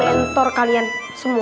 mentor kalian semua